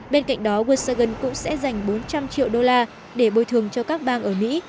bên cạnh đó volkswagen cũng sẽ dành bốn trăm linh triệu usd để bồi thường cho các bang ở mỹ